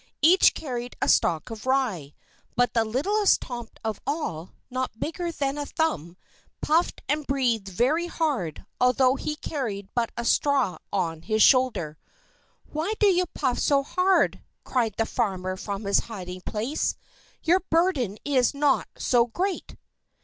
Each carried a stalk of rye; but the littlest Tomt of all, not bigger than a thumb, puffed and breathed very hard, although he carried but a straw on his shoulder. "Why do you puff so hard?" cried the farmer from his hiding place. "Your burden is not so great!"